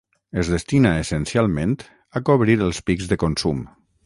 Es destina essencialment a cobrir els pics de consum.